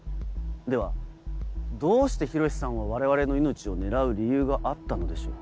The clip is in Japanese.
ではどうして洋さんは我々の命を狙う理由があったのでしょう？